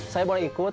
saya boleh ikut